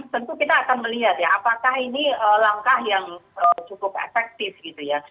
tentu kita akan melihat ya apakah ini langkah yang cukup efektif gitu ya